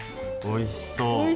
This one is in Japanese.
おいしそう。